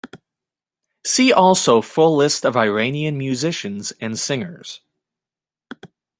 "See also full list of Iranian musicians and singers".